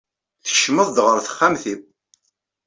Tkecmeḍ-d ɣer texxamt-iw.